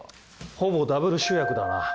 ほぼダブル主役だな。